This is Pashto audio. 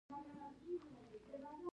داسې اجنډا لرل چې يو بل سره سیالي کې وي.